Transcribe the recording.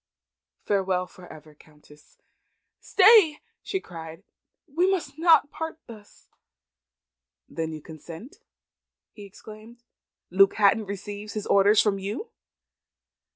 Farewell for ever, Countess!" "Stay!" she cried. "We must not part thus." "Then you consent?" he exclaimed. "Luke Hatton receives his orders from you?"